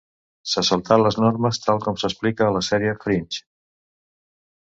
Se saltà les normes tal com s'explica a la sèrie “Fringe”.